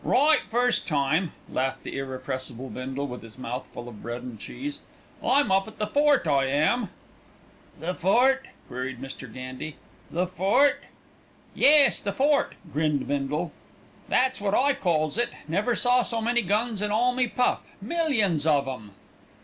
"Right, first time!" laughed the irrepressible Bindle with his mouth full of bread and cheese. "I'm up at the fort, I am." "The fort?" queried Mr. Gandy. "The fort?" "Yes, the fort," grinned Bindle. "That's what I calls it. Never saw so many guns in all me puff millions of 'em."